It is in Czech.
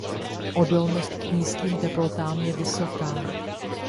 Odolnost k nízkým teplotám je vysoká.